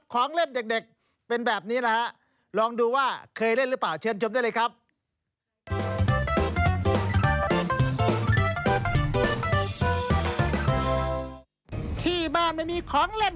เคยเล่นของเด็กแบบเด็กไหมฮะ